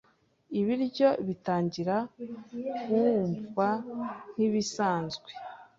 Ibiryo bitangira kumvwa nkibisanzwe